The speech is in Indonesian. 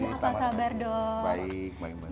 apa kabar dok